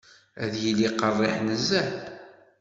Ad yili qerriḥ nezzeh.